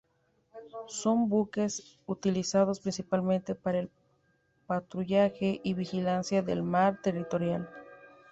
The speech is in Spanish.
Son buques utilizados principalmente para el patrullaje y vigilancia del mar territorial.